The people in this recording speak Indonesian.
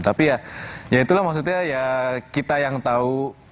tapi ya ya itulah maksudnya ya kita yang tahu